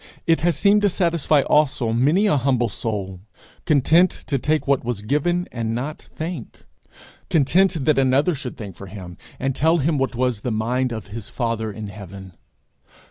It has seemed to satisfy also many a humble soul, content to take what was given, and not think; content that another should think for him, and tell him what was the mind of his Father in heaven.